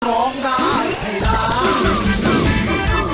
ร้องได้ให้ร้าน